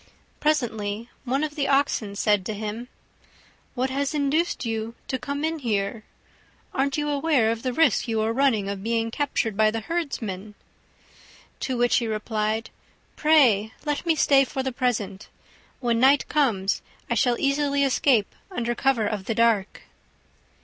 Presently one of the Oxen said to him, "What has induced you to come in here? Aren't you aware of the risk you are running of being captured by the herdsmen?" To which he replied, "Pray let me stay for the present. When night comes I shall easily escape under cover of the dark."